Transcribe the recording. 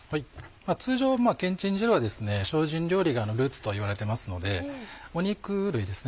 通常けんちん汁は精進料理がルーツと言われてますので肉類ですね